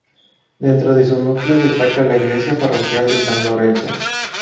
Dentro de su núcleo destaca la Iglesia Parroquial de San Lorenzo.